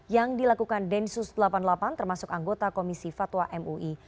yang dilakukan densus delapan puluh delapan termasuk anggota komisi fatwa mui